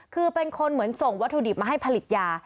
คือเป็นคนเหมือนส่งวัตถุดิบมาให้ผลิตยา